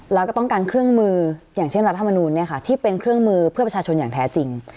แล้วก็ต้องการเครื่องมืออย่างเช่นรัฐมนูลที่เป็นเครื่องมือเพื่อประชาชนอย่างแท้จริง